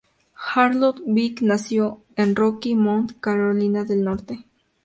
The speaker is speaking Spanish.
Harold Vick nació en Rocky Mount, Carolina del Norte.